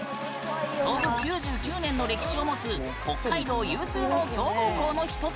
創部９９年の歴史を持つ北海道有数の強豪校の１つ。